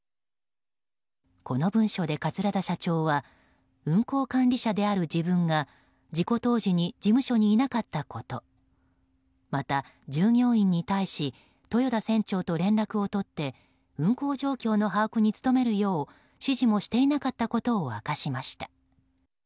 この文書で桂田社長は運航管理者である自分が事故当時に事務所にいなかったことまた、従業員に対し豊田船長と連絡を取って運航状況の把握に努めるよう指示もしていなかったことを明かしました。